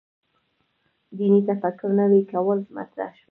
دیني تفکر نوي کول مطرح شو.